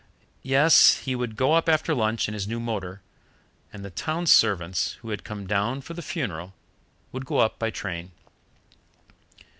Yes, he would go up after lunch in his new motor, and the town servants, who had come down for the funeral, would go up by train.